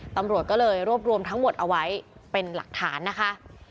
ตำรวจก็เลยรวบรวมทั้งหมดเอาไว้เป็นหลักฐานนะคะ